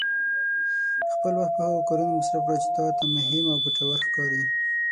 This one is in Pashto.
خپل وخت په هغه کارونو مصرف کړه چې تا ته مهم او ګټور ښکاري.